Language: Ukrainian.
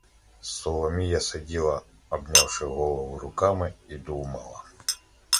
Соломія сиділа, обнявши голову руками, і думала.